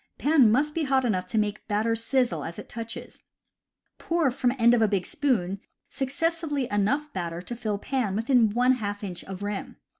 Pan must be hot enough to make batter sizzle as it touches. Pour from end of a big spoon successively enough batter to fill pan within one half inch of rim.